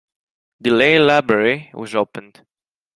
Dealey Library was opened.